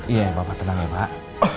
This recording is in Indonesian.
iya bapak tenang ya pak